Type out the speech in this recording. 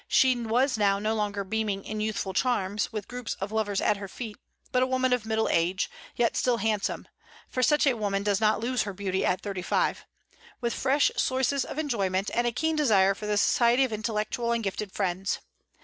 She was now no longer beaming in youthful charms, with groups of lovers at her feet, but a woman of middle age, yet still handsome, for such a woman does not lose her beauty at thirty five, with fresh sources of enjoyment, and a keen desire for the society of intellectual and gifted friends.